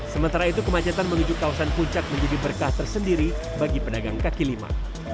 sementara itu kemacetan menuju kawasan puncak menjadi berkah tersendiri bagi pedagang kaki lima